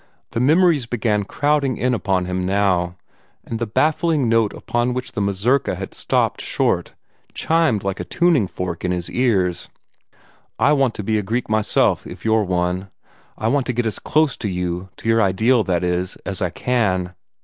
The memories began crowding in upon him now, and the baffling note upon which the mazurka had stopped short chimed like a tuning fork in his ears. "I want to be a Greek myself, if you're one. I want to get as close to you to your ideal, that is, as I can.